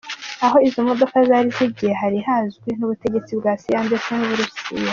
"Aho izo modoka zari zigiye hari hazwi n'ubutegetsi bwa Siriya ndetse n'Uburusiya.